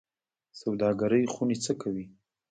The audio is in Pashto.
سوداګرۍ خونې څه کوي؟